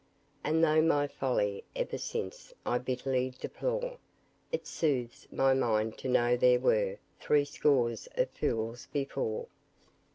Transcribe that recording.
And though my folly ever since I bitterly deplore, It soothes my mind to know there were Three scores of fools before.